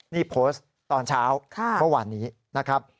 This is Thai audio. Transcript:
นี่โพสต์ตอนเช้าเมื่อวานนี้นะครับ